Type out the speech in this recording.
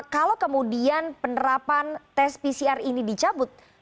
kalau kemudian penerapan tes pcr ini dicabut